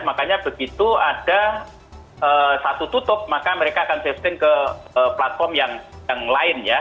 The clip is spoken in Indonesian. makanya begitu ada satu tutup maka mereka akan shifting ke platform yang lain ya